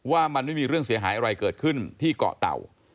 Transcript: ว่ามันไม่มีเรื่องเสียหายอะไรเกิดขึ้นที่เกาะเต่า